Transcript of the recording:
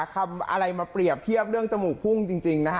ทำอะไรมาเปรียบเทียบเรื่องจมูกพุ่งจริงนะฮะ